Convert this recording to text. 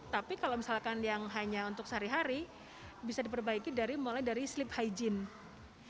tapi kalau misalkan yang hanya untuk sehari hari bisa diperbaiki dari mulai dari sleep hygiene